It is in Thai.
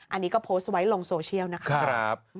อันนี้ก็โพสต์ไว้ลงโซเชียลนะคะ